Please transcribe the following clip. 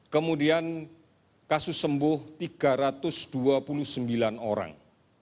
kemudian kasus sembuh tiga ratus dua puluh sembilan orang